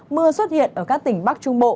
mưa xuất hiện ở các tỉnh bắc trung bộ